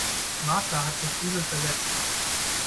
Martha hat sich übel verletzt.